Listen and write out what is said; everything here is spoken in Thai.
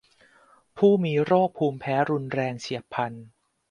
ผู้มีโรคภูมิแพ้รุนแรงเฉียบพลัน